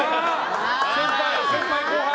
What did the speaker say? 先輩・後輩。